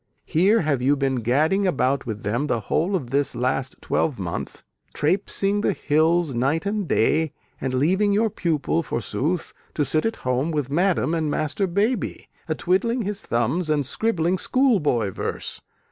"Here have you been gadding about with them the whole of this last twelve month, trapesing the hills night and day and leaving your pupil, forsooth, to sit at home with Madam and Master Baby, a twiddling his thumbs and scribbling schoolboy verse.